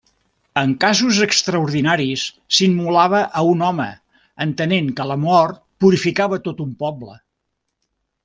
En casos extraordinaris, s'immolava a un home entenent que la mort purificava tot un poble.